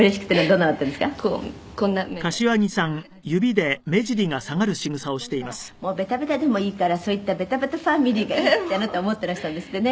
「でも結婚したらベタベタでもいいからそういったベタベタファミリーがいいってあなた思ってらしたんですってね」